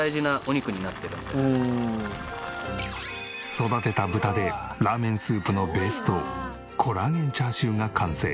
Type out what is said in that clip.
育てた豚でラーメンスープのベースとコラーゲンチャーシューが完成。